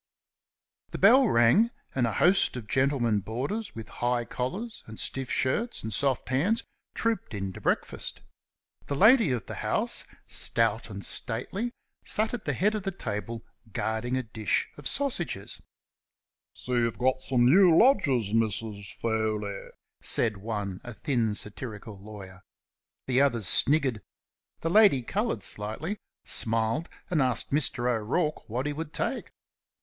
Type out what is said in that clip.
The bell rang, and a host of gentlemen boarders with high collars and stiff shirts and soft hands trooped in to breakfast. The lady of the house, stout and stately, sat at the head of the table guarding a dish of sausages. "See you've new lodgers, Mrs. Foley?" said one, a thin, satirical lawyer. The others sniggered; the lady coloured slightly, smiled, and asked Mr. O'Rourke what he would take.